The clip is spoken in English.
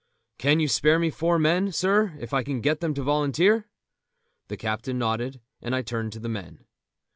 "Can you spare me four men, sir, if I can get them to volunteer?" The captain nodded, and I turned to the men.